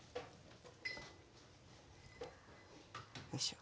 よいしょ。